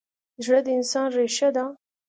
زړه د انسان ریښه ده.